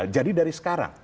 jadi dari sekarang